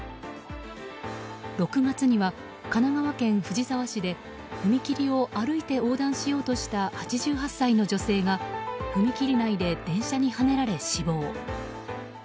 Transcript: ６月には、神奈川県藤沢市で踏切を歩いて横断しようとした８８歳の女性が踏切内で電車にはねられ死亡。